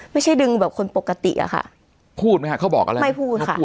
ดึงแบบคนปกติอะค่ะพูดไหมคะเขาบอกอะไรไม่พูดค่ะ